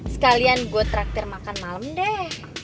sekalian gue traktir makan malam deh